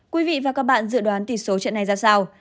quý vị và các bạn dự đoán tỷ số chuyện này ra sao